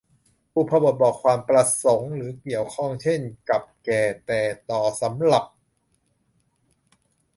บุพบทบอกความประสงค์หรือเกี่ยวข้อง เช่น กับ แก่ แต่ ต่อ สำหรับ